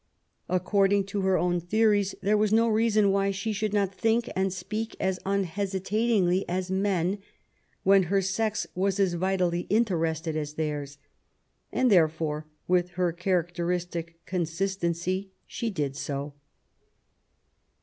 According to her own theories, there was no reason why she should not think and speak as unhesitatingly as men, when her sex was as vitally interested as theirs. And therefore^ with her characteristic consistency, she did so.